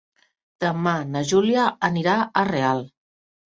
Demà na Júlia anirà a Real.